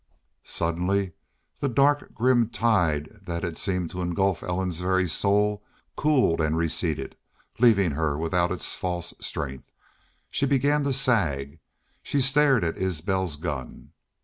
Suddenly the dark grim tide that had seemed to engulf Ellen's very soul cooled and receded, leaving her without its false strength. She began to sag. She stared at Isbel's gun.